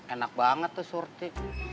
enak banget tuh surti